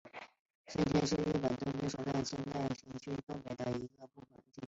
神田是日本东京都千代田区东北部的一个地名。